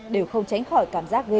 đều không tránh khỏi cảm giác ghê rợn